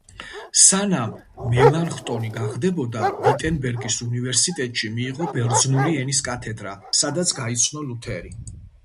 სანამ მელანხტონი გახდებოდა, ვიტენბერგის უნივერსიტეტში მიიღო ბერძნული ენის კათედრა, სადაც გაიცნო ლუთერი.